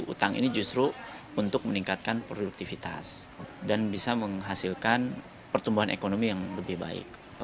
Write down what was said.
utang ini justru untuk meningkatkan produktivitas dan bisa menghasilkan pertumbuhan ekonomi yang lebih baik